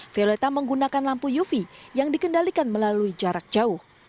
violeta menggunakan lampu uv yang dikendalikan melalui jarak jauh